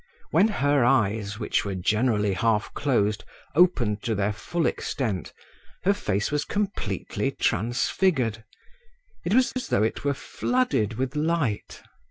When her eyes, which were generally half closed, opened to their full extent, her face was completely transfigured; it was as though it were flooded with light.